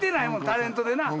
タレントでな。